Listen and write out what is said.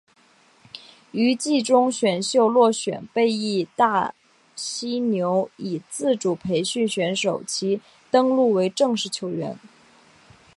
于季中选秀落选被被义大犀牛以自主培训选手其登录为正式球员。